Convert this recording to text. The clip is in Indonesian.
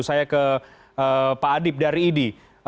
saya ke pak adib dari idi